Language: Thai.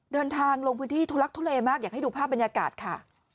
ลงพื้นที่ทุลักทุเลมากอยากให้ดูภาพบรรยากาศค่ะ